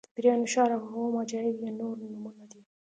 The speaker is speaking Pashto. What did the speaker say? د پیریانو ښار او اووم عجایب یې نور نومونه دي.